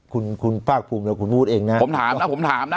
คุณภาคบูมแล้วคุณงู๊ดเองนะผมถามนะผมถามนะ